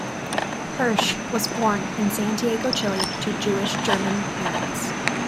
Hirsch was born in Santiago, Chile, to Jewish-German parents.